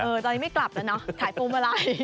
ตอนนี้ไม่กลับแล้วเนอะขายพวงมาลัย